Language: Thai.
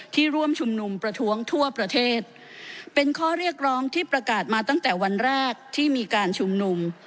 ร่วมชุมนุมประท้วงทั่วประเทศเป็นข้อเรียกร้องที่ประกาศมาตั้งแต่วันแรกที่มีการชุมนุม